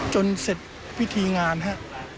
จนเสร็จพิธีงานฮะ